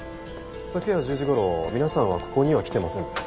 昨夜１０時頃皆さんはここには来てませんか？